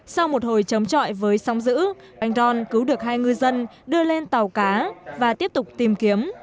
sau một hồi chống trọi với sóng giữ anh ron cứu được hai ngư dân đưa lên tàu cá và tiếp tục tìm kiếm